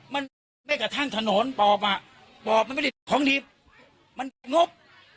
มันแม้กระทั่งถนนปอบอ่ะปอบมันไม่ได้ของดิบมันติดงบ